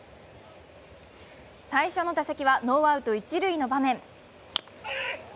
最初の打席はノーアウト一塁の場面。